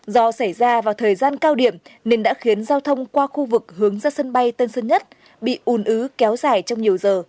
do xảy ra vào thời gian cao điểm nên đã khiến giao thông qua khu vực hướng ra sân bay tân sơn nhất bị ùn ứ kéo dài trong nhiều giờ